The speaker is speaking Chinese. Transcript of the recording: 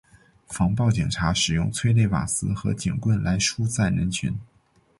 防暴警察使用催泪瓦斯和警棍来疏散人群。